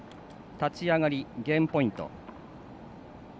立ち上がり、ゲームポイント。